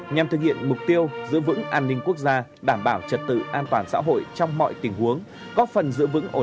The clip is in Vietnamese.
nhằm thực hiện mục tiêu giữ vững an ninh quốc gia đảm bảo trật tự an toàn xã hội trong mọi tình huống